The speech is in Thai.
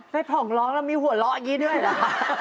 ผ่องร้องแล้วมีหัวเราะอย่างนี้ด้วยเหรอคะ